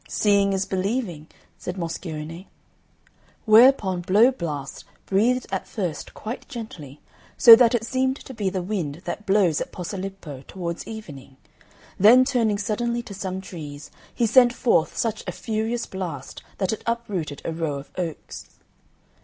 "Seeing is believing," said Moscione. Whereupon Blow blast breathed at first quite gently, so that it seemed to be the wind that blows at Posilippo towards evening; then turning suddenly to some trees, he sent forth such a furious blast that it uprooted a row of oaks.